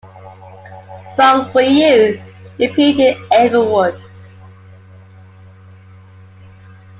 "Song For You" appeared in "Everwood".